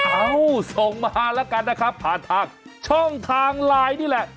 เอ้าส่งมาแล้วกันนะครับผ่านทางช่องทางไลน์นี่แหละ